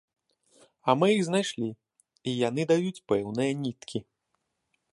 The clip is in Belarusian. А мы іх знайшлі, і яны даюць пэўныя ніткі.